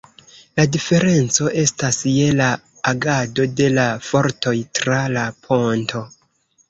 La diferenco estas je la agado de la fortoj tra la ponto.